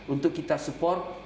untuk kita support